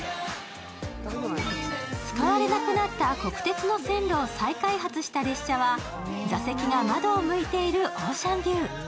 使われなくなった国鉄の線路を再開発した列車は座席が窓を向いているオーシャンビュー。